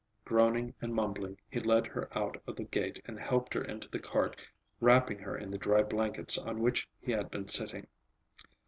Groaning and mumbling he led her out of the gate and helped her into the cart, wrapping her in the dry blankets on which he had been sitting.